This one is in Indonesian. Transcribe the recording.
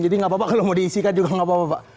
jadi gak apa apa kalau mau diisikan juga gak apa apa pak